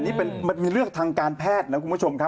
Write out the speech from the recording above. นี่มันมีเรื่องทางการแพทย์นะคุณผู้ชมครับ